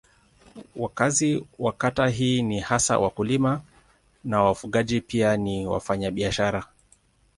Wakazi wa kata hii ni hasa wakulima na wafugaji pia ni wafanyabiashara.